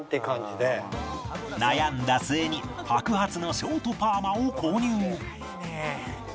悩んだ末に白髪のショートパーマを購入